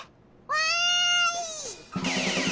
わい！